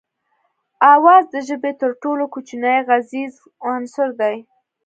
آواز د ژبې تر ټولو کوچنی غږیز عنصر دی